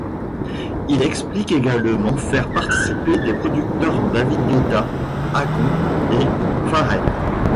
Il explique également faire participer les producteurs David Guetta, Akon et Pharrell.